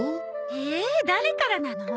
へえ誰からなの？